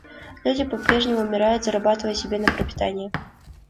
Люди по-прежнему умирают, зарабатывая себе на пропитание.